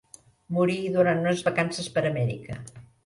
Mori durant unes vacances per Amèrica.